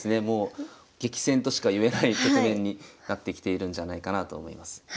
もう激戦としかいえない局面になってきているんじゃないかなあと思います。